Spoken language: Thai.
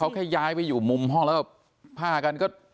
เขาแค่ย้ายไปอยู่มุมห้องแล้วผ้ากันก็